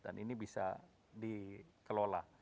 dan ini bisa dikelola